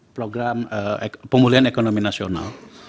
program pemulihan ekonomi nasional